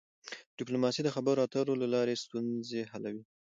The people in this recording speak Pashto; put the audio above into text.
ډيپلوماسي د خبرو اترو له لاري ستونزي حلوي.